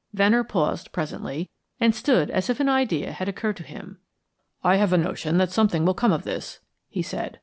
Venner paused presently, and stood as if an idea had occurred to him. "I have a notion that something will come of this," he said.